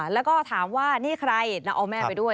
แล้วก็ถามว่านี่ใครแล้วเอาแม่ไปด้วย